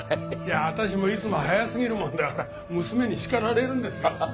私もいつも早すぎるもんだから娘に叱られるんですよ。